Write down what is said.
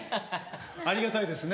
ありがたいですね。